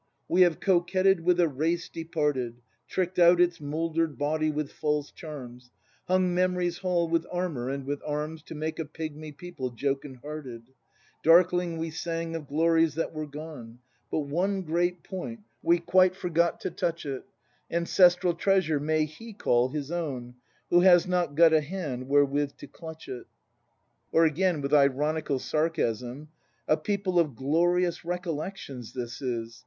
"We have coquetted with a race departed; Trick 'd out its moulder'd body with false charms. Hung Memory's hall with armour and with arms To make a pigmy people jocund hearted: Darkling we sang of glories that were gone: But one great point — we quite forgot to touch it; Ancestral treasure may he call his own Who has not got a hand wherewith to clutch it ?"^ Or again, with ironical sarcasm; "A people of glorious recollections, this is!